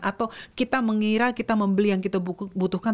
atau kita mengira kita membeli yang kita butuhkan